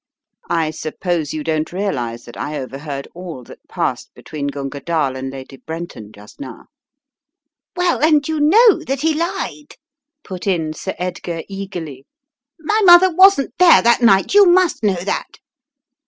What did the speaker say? I suppose you don't realize that I overheard all that passed between Gunga Dall and Lady Brenton just now." 242 The Riddle of the Purple Emperor "Well, and you know that he lied," put in Sir Edgar, eagerly. "My mother wasn't there that night — you must know that."